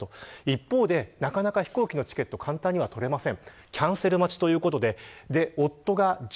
一方で、なかなか飛行機のチケットが取れません。